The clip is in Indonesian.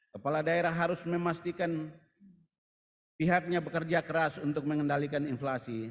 kepala daerah harus memastikan pihaknya bekerja keras untuk mengendalikan inflasi